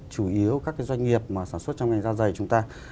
chủ yếu các doanh nghiệp mà sản xuất trong ngành da dày chúng ta